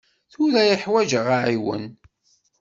Tura i ḥwaǧeɣ aɛiwen.